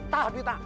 tak duit tak